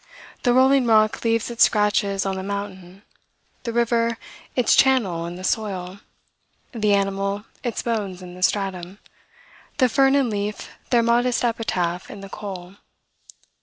The rolling rock leaves its scratches on the mountain; the river, its channel in the soil; the animal, its bones in the stratum; the fern and leaf their modest epitaph in the coal.